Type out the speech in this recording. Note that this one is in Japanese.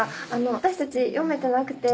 私たち読めてなくて。